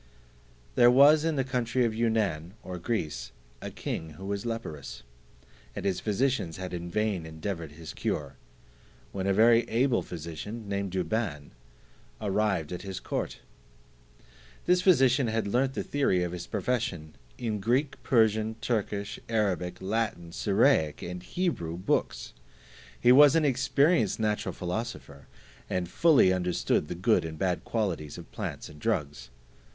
There was in the country of Yunaun or Greece, a king who was leprous, and his physicians had in vain endeavoured his cure; when a very able physician, named Douban, arrived at his court. This physician had learnt the theory of his profession in Greek, Persian, Turkish, Arabic, Latin, Syriac, and Hebrew books; he was an experienced natural philosopher, and fully understood the good and bad qualities of plants and drugs.